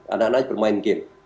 anak anak bermain game